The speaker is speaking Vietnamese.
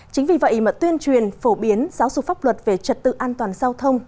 chính vì vậy mà tuyên truyền phổ biến giáo dục pháp luật về trật tự an toàn giao thông